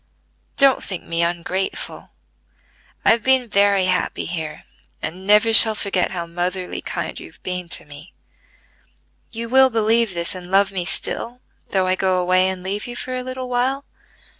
"Don't think me ungrateful. I have been very happy here, and never shall forget how motherly kind you have been to me. You will believe this and love me still, though I go away and leave you for a little while?"